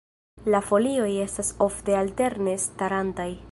La folioj estas ofte alterne starantaj.